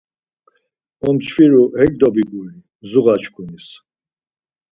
Omçfiru hek dobiguri, mzuğaçkuniz.